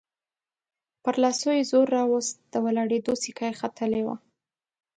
پر لاسونو يې زور راووست، د ولاړېدو سېکه يې ختلې وه.